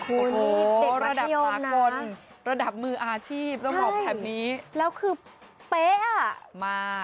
คุณเด็กระดับสากลระดับมืออาชีพต้องบอกแบบนี้แล้วคือเป๊ะอ่ะมา